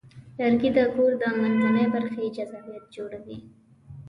لرګی د کور د منځنۍ برخې جذابیت جوړوي.